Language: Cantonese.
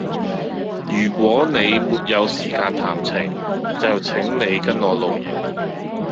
如果你沒有時間談情，就請你跟我露營。